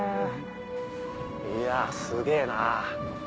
いやすげぇな。